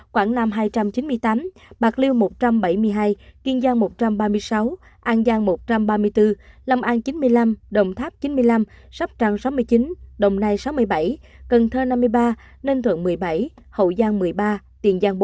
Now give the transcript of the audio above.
quảng nam hai trăm chín mươi tám bạc liêu một trăm bảy mươi hai kiên giang một trăm ba mươi sáu an giang một trăm ba mươi bốn long an chín mươi năm đồng tháp chín mươi năm sóc trăng sáu mươi chín đồng nai sáu mươi bảy cần thơ năm mươi ba ninh thuận một mươi bảy hậu giang một mươi ba tiền giang bốn